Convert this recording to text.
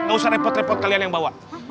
gak usah repot repot kalian yang bawa